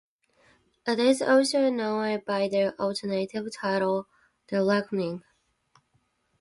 It is also known by the alternative title The Reckoning.